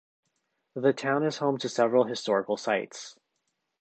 The town is home to several historical sites.